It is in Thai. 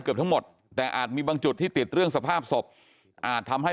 เกือบทั้งหมดแต่อาจมีบางจุดที่ติดเรื่องสภาพศพอาจทำให้